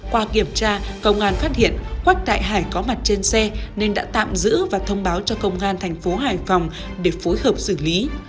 qua kiểm tra công an phát hiện quách đại hải có mặt trên xe nên đã tạm giữ và thông báo cho công an thành phố hải phòng để phối hợp xử lý